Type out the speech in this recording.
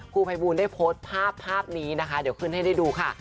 ครูภัยบูลได้โพสต์ภาพภาพนี้นะคะเดี๋ยวขึ้นให้ได้ดูค่ะ